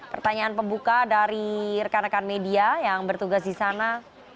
pertanyaan pembuka dari rekan rekan media yang bertugas di sana